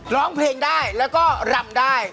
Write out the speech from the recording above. ร้องเพลงได้แล้วก็รำได้